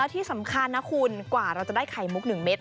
ที่สำคัญนะคุณกว่าเราจะได้ไข่มุก๑เม็ด